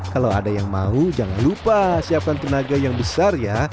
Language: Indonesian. kalau ada yang mau jangan lupa siapkan tenaga yang besar ya